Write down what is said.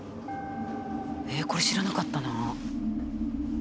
えこれ知らなかったな。